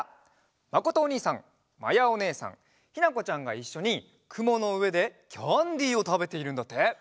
まことおにいさんまやおねえさんひなこちゃんがいっしょにくものうえでキャンディーをたべているんだって。